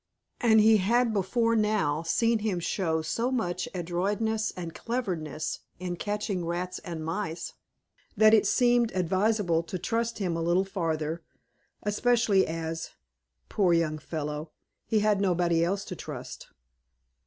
And he had before now seen him show so much adroitness and cleverness in catching rats and mice, that it seemed advisable to trust him a little farther, especially as, poor young fellow! he had nobody else to trust.